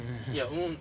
うん。